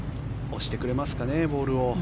押してくれますかねボールを。